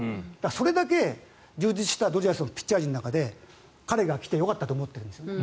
それだけ充実したドジャースのピッチャー陣の中で彼が来てよかったと思っているんですね。